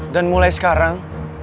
dan mulai sekarang